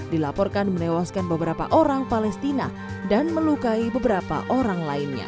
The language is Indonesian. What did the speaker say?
dilaporkan menewaskan beberapa orang palestina dan melukai beberapa orang lainnya